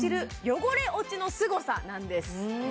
汚れ落ちのすごさなんです